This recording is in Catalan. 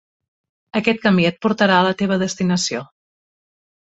Aquest camí et portarà a la teva destinació.